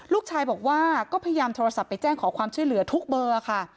ลูกชายบอกว่าก็พยายามโทรศัพท์ไปแจ้งขอความช่วยเหลือทุกเบอร์ค่ะ